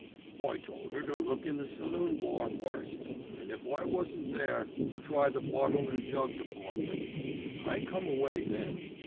"I told 'er to look in the saloon bar first, an' if I wasn't there to try the bottle an' jug department. I come away then.